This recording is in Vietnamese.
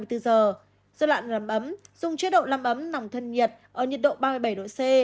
giai đoạn rầm ấm dùng chế độ làm ấm nòng thân nhiệt ở nhiệt độ ba mươi bảy độ c